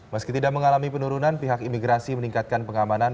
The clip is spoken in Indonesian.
meski tidak mengalami penurunan pihak imigrasi meningkatkan pengamanan